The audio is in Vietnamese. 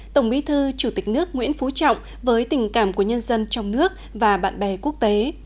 tổng bí thư chủ tịch nước nguyễn phú trọng với tình cảm của nhân dân trong nước và bạn bè quốc tế